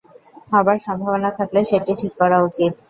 হবার সম্ভাবনা থাকলে সেটি ঠিক করা উচিত।